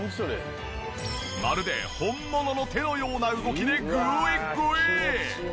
まるで本物の手のような動きでグイグイ！